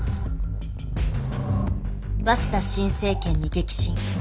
鷲田新政権に激震。